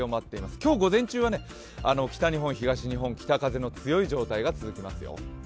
今日午前中は北日本、東日本北風の強い状態が続きますよ。